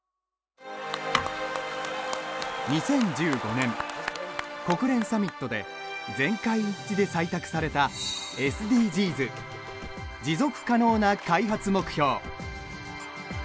２０１５年、国連サミットで全会一致で採択されたＳＤＧｓ持続可能な開発目標。